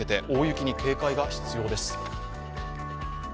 大雪に警戒が必要です。